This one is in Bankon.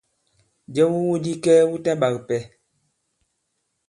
Jɛ wu iwu di kɛɛ wu ta ɓak ipɛ.